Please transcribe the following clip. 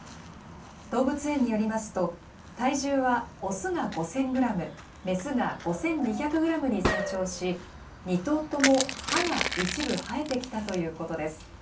動物園によりますと、体重は雄が５０００グラム、雌が５２００グラムに成長し、２頭とも歯が一部生えてきたということです。